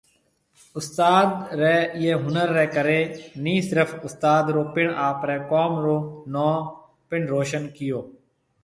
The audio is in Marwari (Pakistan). استاد ري ايئي ھنر ري ڪري ني صرف استاد رو پڻ آپري قوم رو نون پڻ روشن ڪيئو